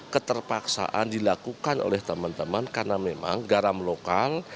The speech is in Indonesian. keterpaksaan dilakukan oleh teman teman karena memang garam lokal